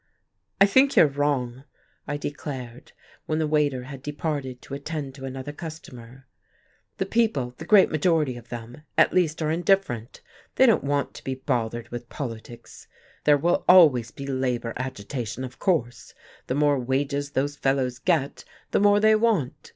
"I think you are wrong," I declared, when the waiter had departed to attend to another customer. "The people the great majority of them, at least are indifferent, they don't want to be bothered with politics. There will always be labour agitation, of course, the more wages those fellows get, the more they want.